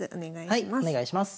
はいお願いします。